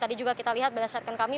tadi juga kita lihat berdasarkan kami